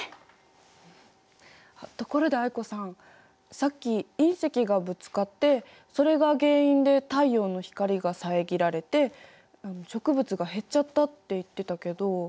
さっき隕石がぶつかってそれが原因で太陽の光がさえぎられて植物が減っちゃったって言ってたけど。